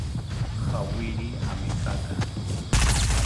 Jawiri amekaka